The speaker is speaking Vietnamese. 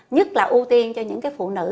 nhất là ưu tiên cho những phụ nữ